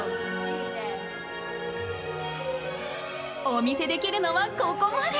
お見せできるのはここまで。